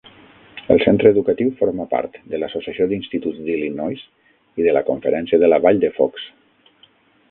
El centre educatiu forma part de l'Associació d'Instituts d'Illinois i de la Conferència de la Vall de Fox.